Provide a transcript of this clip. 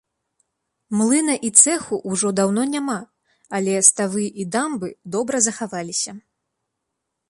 Млына і цэху ўжо даўно няма, але ставы і дамбы добра захаваліся.